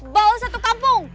lo satu kampung